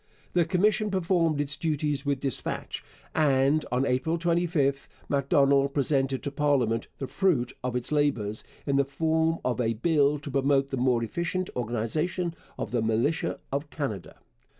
The commission performed its duties with dispatch, and on April 25 Macdonald presented to parliament the fruit of its labours in the form of a bill to promote the more efficient organization of the militia of Canada.